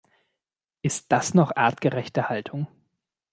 Ist das noch artgerechte Haltung?